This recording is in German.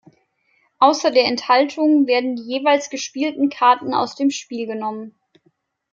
Außer der Enthaltung werden die jeweils gespielten Karten aus dem Spiel genommen.